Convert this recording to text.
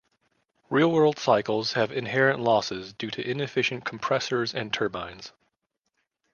Real world cycles have inherent losses due to inefficient compressors and turbines.